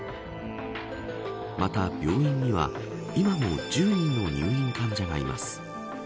また、病院には今も１０人の入院患者がいます。